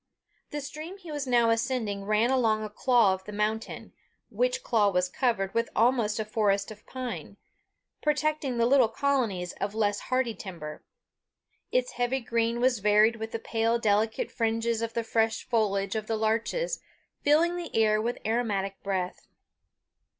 The stream he was now ascending ran along a claw of the mountain, which claw was covered with almost a forest of pine, protecting little colonies of less hardy timber. Its heavy green was varied with the pale delicate fringes of the fresh foliage of the larches, filling the air with aromatic breath.